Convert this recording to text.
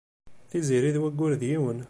Tiziri d wagur d yiwen.